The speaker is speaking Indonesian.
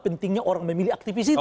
pentingnya orang memilih aktivis itu